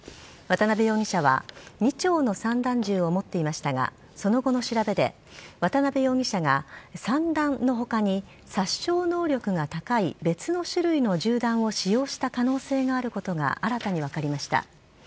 渡辺容疑者は２丁の散弾銃を持っていましたがその後の調べで渡辺容疑者が散弾の他に殺傷能力の高い別の種類の銃弾を使用した可能性があることが新たに分かりました。